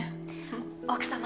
奥様。